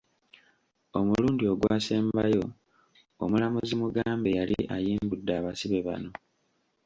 Omulundi ogwasembayo omulamuzi Mugambe yali ayimbudde abasibe bano.